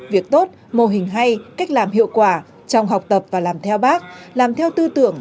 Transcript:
việc tốt mô hình hay cách làm hiệu quả trong học tập và làm theo bác làm theo tư tưởng